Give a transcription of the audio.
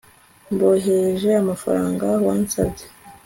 mboherereje amafaranga wasabye